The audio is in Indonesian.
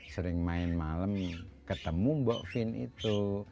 sering main malem ketemu mbok vin itu